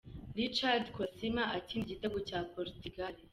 Ricardo Quaresma atsinda igitego cya Portugal .